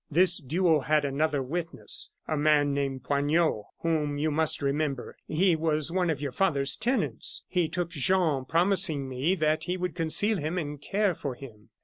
This duel had another witness, a man named Poignot, whom you must remember; he was one of your father's tenants. He took Jean, promising me that he would conceal him and care for him.